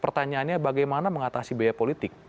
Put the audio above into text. pertanyaannya bagaimana mengatasi biaya politik